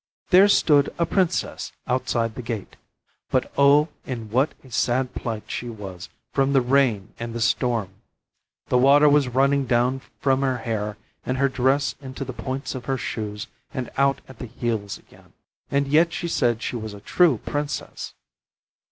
There stood a Princess outside the gate; but oh, in what a sad plight she was from the rain and the storm! The water was running down from her hair and her dress into the points of her shoes and out at the heels again. And yet she said she was a true Princess!